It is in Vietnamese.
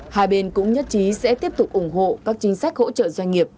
hai bên cũng nhất trí sẽ tiếp tục ủng hộ các chính sách hỗ trợ doanh nghiệp